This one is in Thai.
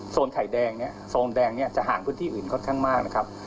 ไข่แดงเนี่ยโซนแดงเนี่ยจะห่างพื้นที่อื่นค่อนข้างมากนะครับ